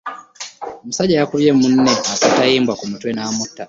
Omusajja yakubye munne akatayimbwa ku mutwe n'amutta.